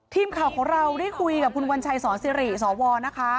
ทีมข่าวของเราได้คุยกับคุณวัญชัยสอนสิริสวนะคะ